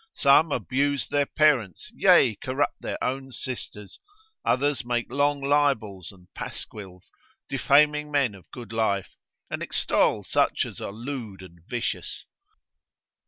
Some abuse their parents, yea corrupt their own sisters; others make long libels and pasquils, defaming men of good life, and extol such as are lewd and vicious.